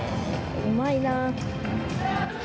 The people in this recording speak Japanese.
うまいなあ。